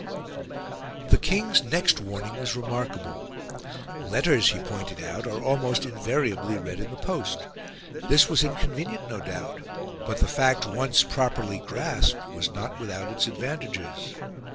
The King's next warning was remarkable. Letters, he pointed out, are almost invariably read in the post. This was inconvenient, no doubt; but the fact, once properly grasped, was not without its advantages.